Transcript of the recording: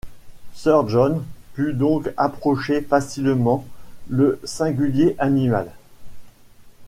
Sir John put donc approcher facilement le singulier animal.